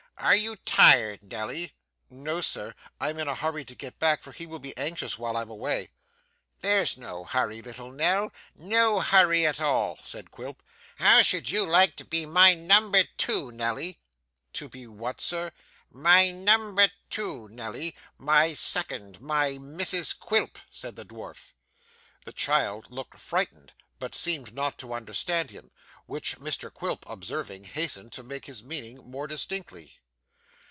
Are you tired, Nelly?' 'No, sir. I'm in a hurry to get back, for he will be anxious while I am away.' 'There's no hurry, little Nell, no hurry at all,' said Quilp. 'How should you like to be my number two, Nelly?' 'To be what, sir?' 'My number two, Nelly, my second, my Mrs Quilp,' said the dwarf. The child looked frightened, but seemed not to understand him, which Mr Quilp observing, hastened to make his meaning more distinctly.